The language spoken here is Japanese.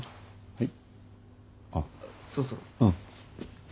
はい。